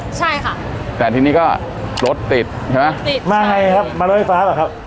ใช่ค่ะแต่ทีนี้ก็รถติดใช่ไหมติดมาไงครับมารถไฟฟ้าป่ะครับ